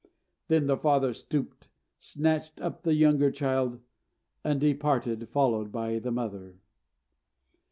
Then the father stooped, snatched up the younger child, and departed, followed by the mother.